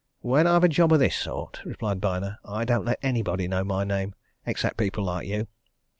"When I've a job of this sort," replied Byner, "I don't let anybody know my name except people like you.